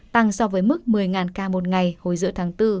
tăng so với mức một mươi ca một ngày hồi giữa tháng bốn